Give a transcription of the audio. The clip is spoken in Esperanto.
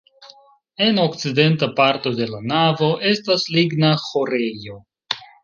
En okcidenta parto de la navo estas ligna ĥorejo.